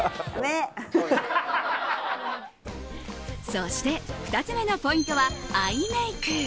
そして２つ目のポイントはアイメイク。